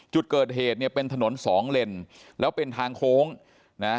จุดเกิดเหตุเนี่ยเป็นถนนสองเลนแล้วเป็นทางโค้งนะ